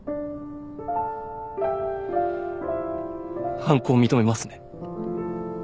犯行を認めますね？